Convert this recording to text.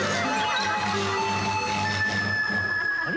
あれ？